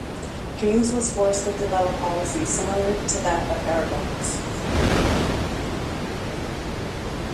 James was forced to develop policies similar to that of Aragon's.